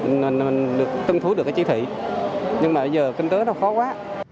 nên mình tân thú được cái trí thị nhưng mà bây giờ kinh tế nó khó quá